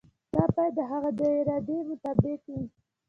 دا باید د هغه د ارادې مطابق وي.